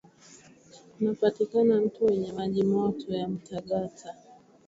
Kunapatikana mto wenye maji moto ya Mutagata ambacho ni kivutio cha utalii